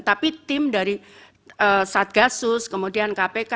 tapi tim dari satgasus kemudian kpk